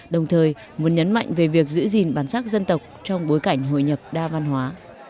đồng thời muốn nhấn mạnh về việc giữ gìn bản sắc dân tộc trong bối cảnh hội nhập đa văn hóa